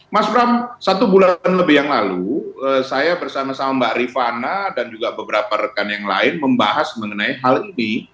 mas bram satu bulan lebih yang lalu saya bersama sama mbak rifana dan juga beberapa rekan yang lain membahas mengenai hal ini